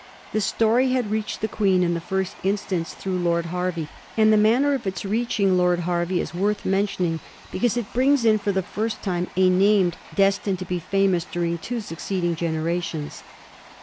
The story had reached the Queen in the first instance through Lord Hervey, and the manner of its reaching Lord Hervey is worth mentioning, because it brings in for the first time a name destined to be famous during t wo succeeding generations.